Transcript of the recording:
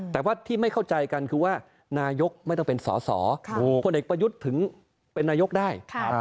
แต่ว่าที่ไม่เข้าใจกันคือว่านายกไม่ต้องเป็นสอสอพลเอกประยุทธ์ถึงเป็นนายกได้